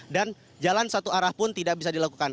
dan jalan satu arah pun tidak bisa dilakukan